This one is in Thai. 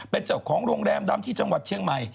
เป็นเจ้าของโรงแรมดำที่จังหวัดเชียงใหม่